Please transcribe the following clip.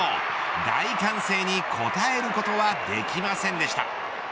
大歓声に応えることはできませんでした。